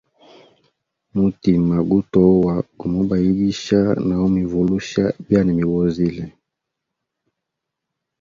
Mutima gutoa gumubayigisha na umivulusha byanimibozile.